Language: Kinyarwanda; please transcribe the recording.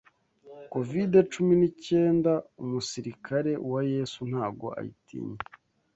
covid cumi n'icyendaumusirikare wa Yesu ntago ayitinya